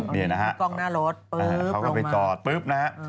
นี่นะฮะเขาก็ไปจอดปุ๊บนะฮะ